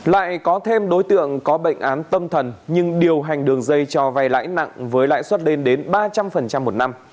lại có thêm đối tượng có bệnh án tâm thần nhưng điều hành đường dây cho vay lãi nặng với lãi suất lên đến ba trăm linh một năm